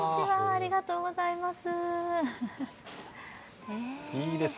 ありがとうございます。